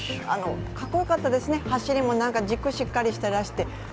かっこよかったですね、走りも軸がしっかりしていらして。